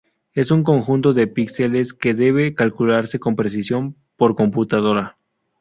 Es un conjunto de píxeles que debe calcularse con precisión por computadora.